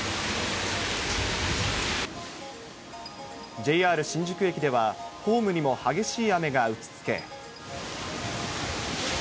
ＪＲ新宿駅では、ホームにも激しい雨が打ちつけ。